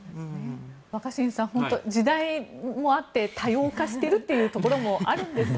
若新さん時代もあって多様化しているというところもあるんですかね。